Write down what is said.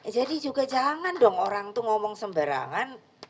jadi juga jangan dong orang itu ngomong sembarangan